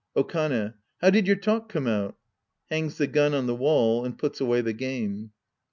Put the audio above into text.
Okane. How did your talk come out ? {Hangs the gun on the wall andyuts away the game.)